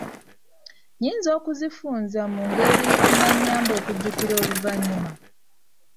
Nnyinza okuzifunza mu ngeri enannyamba okuzijjukira oluvannyuma?